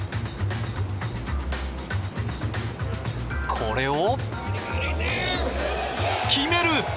これを決める！